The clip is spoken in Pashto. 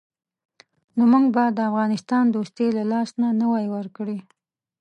نو موږ به د افغانستان دوستي له لاسه نه وای ورکړې.